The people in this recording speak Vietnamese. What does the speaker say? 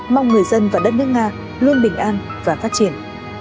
mong người dân và đất nước nga luôn bình an và phát triển